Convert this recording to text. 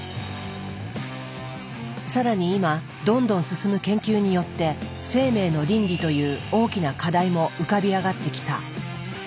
更に今どんどん進む研究によって生命の倫理という大きな課題も浮かび上がってきた。